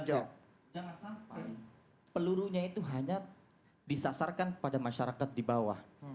jangan sampai pelurunya itu hanya disasarkan pada masyarakat di bawah